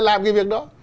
làm cái việc đó